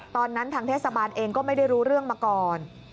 ทางเทศบาลเองก็ไม่ได้รู้เรื่องมาก่อน